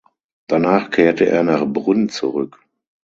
Danach kehrte er nach Brünn zurück.